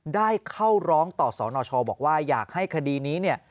ได้เข้าร้องต่อสนชบอกว่าอยากให้คดีนี้เนี่ย